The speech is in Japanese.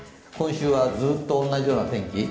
今週はずっと同じような天気